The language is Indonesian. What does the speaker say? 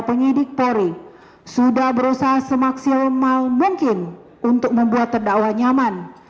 penyidik polri sudah berusaha semaksimal mungkin untuk membuat terdakwa nyaman